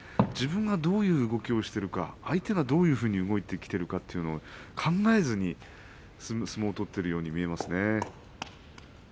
自分がどういう動きをしているか相手がどういうふうに動いてきているか考えずに相撲を取っているように見えますね。